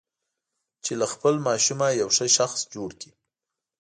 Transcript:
چې له خپل ماشوم یو ښه شخص جوړ کړي.